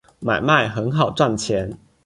买卖很好赚钱